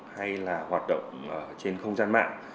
hay là hoạt động trên không gian mạng